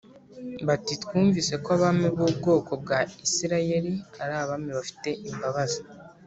bati “Twumvise ko abami b’ubwoko bwa Isirayeli ari abami bafite imbabazi